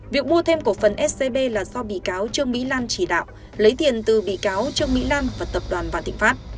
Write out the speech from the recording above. việc mua thêm cổ phần scb là do bị cáo trương bị lan chỉ đạo lấy tiền từ bị cáo trương bị lan và tập đoàn và thịnh pháp